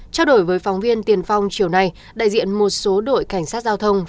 trao đổi với phóng viên tiền phong chiều nay đại diện một số đội cảnh sát giao thông